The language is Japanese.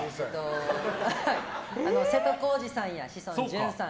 瀬戸康史さんや志尊淳さん